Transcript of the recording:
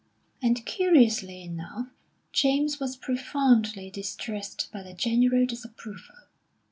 And curiously enough, James was profoundly distressed by the general disapproval.